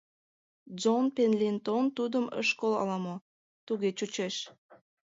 Джон Пендлетон тудым ыш кол ала-мо, туге чучеш.